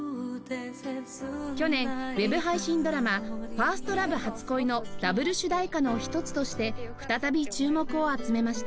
去年ウェブ配信ドラマ『ＦｉｒｓｔＬｏｖｅ 初恋』のダブル主題歌の一つとして再び注目を集めました